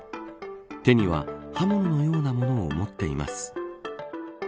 手には、刃物のようなものを持っています。